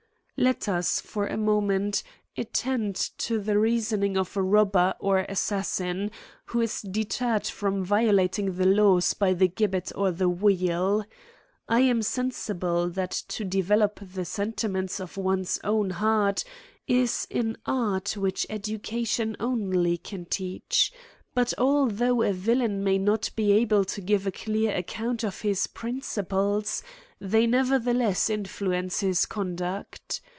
Let us, for a moment, attend to the reasoning of a robber" or assassin, who is deterred from viola ting the laws by the gibbet or the wheel. I am sen sible, that to develop the sentiments of one's own C«LMES AND PUNISHMENTS. 103 heart is an art which education only can teach ; but although a villain may not be able to give a clear account of his principles, they nevertheless influence his conduct.